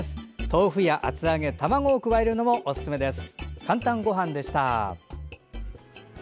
豆腐や厚揚げ卵を加えるのもおすすめです。